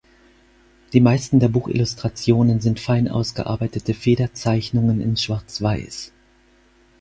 Die meisten der Buchillustrationen sind fein ausgearbeitete Federzeichnungen in Schwarz-Weiß.